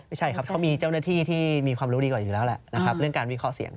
ไม่ใช่ครับเขามีเจ้าหน้าที่ที่มีความรู้ดีกว่าอยู่แล้วแหละนะครับเรื่องการวิเคราะห์เสียง